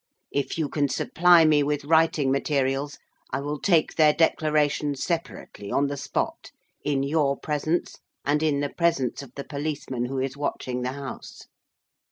If you can supply me with writing materials, I will take their declarations separately on the spot, in your presence, and in the presence of the policeman who is watching the house.